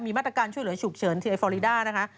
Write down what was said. มาตรการช่วยเหลือฉุกเฉินทีเอฟอริดานะคะ